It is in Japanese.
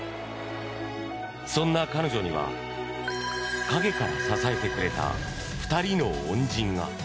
そんな彼女には陰から支えてくれた２人の恩人が。